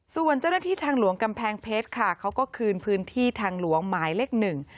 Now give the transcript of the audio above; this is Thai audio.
ส่วนเจ้าหน้าที่ทางหลวงกำแพงเพชรค่ะเขาก็คืนพื้นที่ทางหลวงหมายเลขหนึ่ง